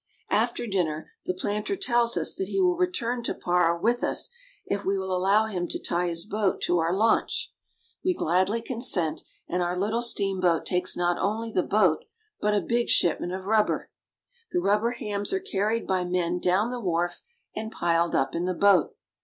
After dinner the planter tells us that he will return to Para with us if we will allow him to tie his boat to our launch. We gladly consent, and our little steamboat takes not only the boat, but a big shipment of rubber. The rubber hams are carried by men down the wharf and piled up in the boat.